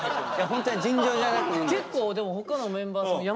ホントに尋常じゃなく飲んで。